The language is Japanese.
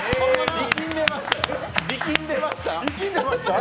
力んでましたよ！